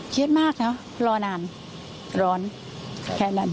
เครียดมากเนอะรอนานรอนแค่นั้น